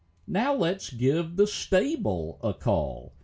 And now let us give the stable a call.